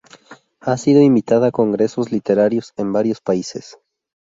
Ha sido invitada a congresos literarios en varios países.